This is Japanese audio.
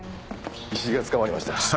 石井が捕まりました。